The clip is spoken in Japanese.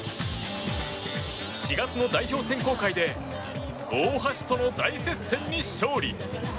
４月の代表選考会で大橋との大接戦に勝利。